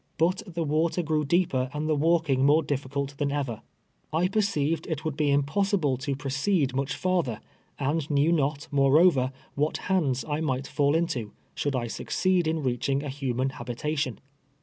But the water grew deeper and the walking more difficult than ever. 1 NIGHT IN THE SWAMP. 141 perceived it would be impossible to 2")rocced much farther, and knew not, moreover, what hands I might fall into, should I succeed in reaching a human hab itation.